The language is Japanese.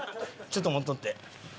ちょっと持っとって。